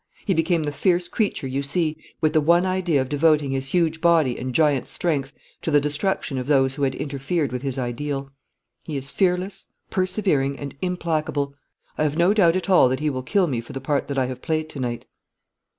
He became the fierce creature you see, with the one idea of devoting his huge body and giant's strength to the destruction of those who had interfered with his ideal. He is fearless, persevering, and implacable. I have no doubt at all that he will kill me for the part that I have played to night.'